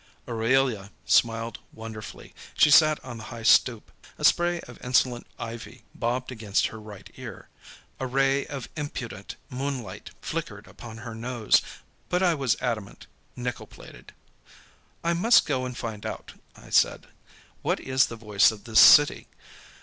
Aurelia smiled wonderfully. She sat on the high stoop. A spray of insolent ivy bobbed against her right ear. A ray of impudent moonlight flickered upon her nose. But I was adamant, nickel plated. "I must go and find out," I said, "what is the Voice of this City.